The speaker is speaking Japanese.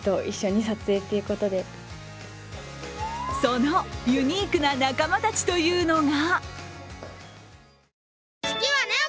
そのユニークな仲間たちというのが？